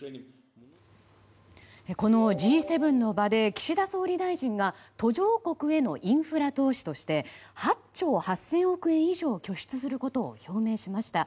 このＧ７の場で岸田総理大臣が途上国へのインフラ投資として８兆８０００億円以上拠出することを表明しました。